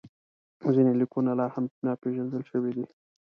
ځینې لیکونه لا هم ناپېژندل شوي دي.